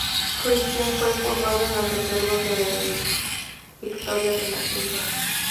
Cristhian fue formado en las reservas del Victoria de La Ceiba.